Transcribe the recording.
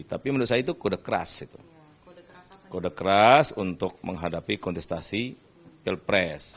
tapi menurut saya itu kode keras kode keras untuk menghadapi kontestasi pilpres